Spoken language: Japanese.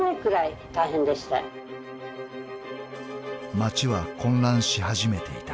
［街は混乱し始めていた］